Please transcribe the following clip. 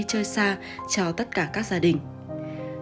đi chơi xa cho tất cả các gia đình